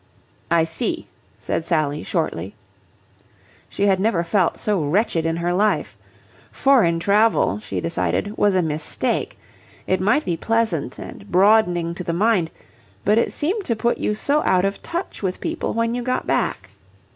"I see," said Sally, shortly. She had never felt so wretched in her life. Foreign travel, she decided, was a mistake. It might be pleasant and broadening to the mind, but it seemed to put you so out of touch with people when you got back.